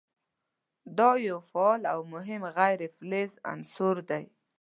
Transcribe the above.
دا یو فعال او مهم غیر فلز عنصر دی.